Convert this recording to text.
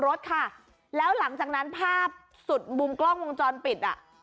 รถค่ะแล้วหลังจากนั้นภาพสุดมุมกล้องวงจรปิดอ่ะ